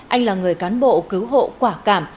anh là người cán bộ cứu hộ quả cảm